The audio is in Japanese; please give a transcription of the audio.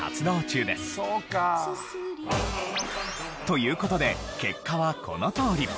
という事で結果はこのとおり。